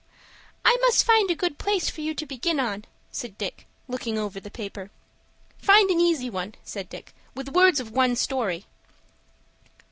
"I must find a good piece for you to begin on," said Fosdick, looking over the paper. "Find an easy one," said Dick, "with words of one story."